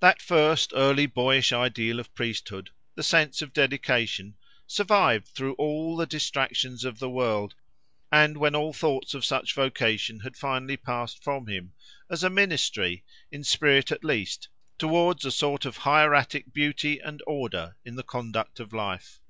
That first, early, boyish ideal of priesthood, the sense of dedication, survived through all the distractions of the world, and when all thought of such vocation had finally passed from him, as a ministry, in spirit at least, towards a sort of hieratic beauty and order in the conduct of life.